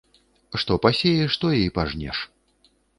Што пасееш, тое і пажнеш